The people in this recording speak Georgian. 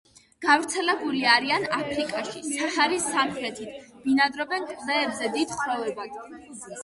გავრცელებული არიან აფრიკაში, საჰარის სამხრეთით, ბინადრობენ კლდეებზე დიდ ხროვებად.